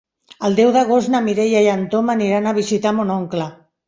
El deu d'agost na Mireia i en Tom aniran a visitar mon oncle.